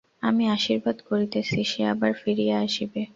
আমি আশীর্বাদ করিতেছি, সে আবার ফিরিয়া আসিবে।